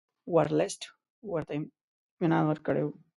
ورلسټ ورته اطمینان ورکړی وو.